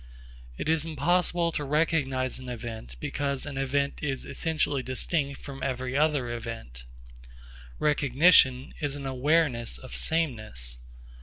It is impossible to recognise an event, because an event is essentially distinct from every other event. Recognition is an awareness of sameness.